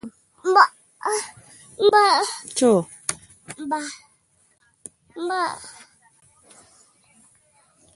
دوه سر پړکمشران انجنیران ناست و.